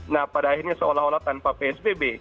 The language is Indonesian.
nah pada akhirnya seolah olah tanpa psbb